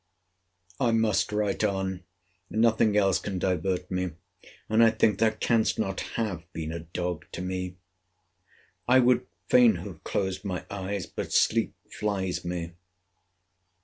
I must write on. Nothing else can divert me: and I think thou canst not have been a dog to me. I would fain have closed my eyes: but sleep flies me.